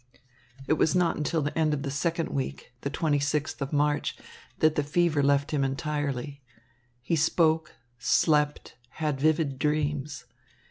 It was not until the end of the second week, the twenty sixth of March, that the fever left him entirely. He spoke, slept, had vivid dreams.